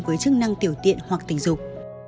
với chức năng tiểu tiện hoặc tình dục